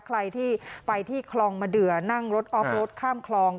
ใครที่ไปที่คลองมะเดือนั่งรถออฟรถข้ามคลอง